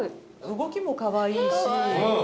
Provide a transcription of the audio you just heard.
動きもかわいいし。